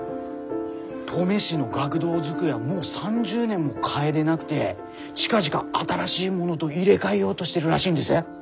登米市の学童机はもう３０年も替えでなくて近々新しいものど入れ替えようどしてるらしいんです。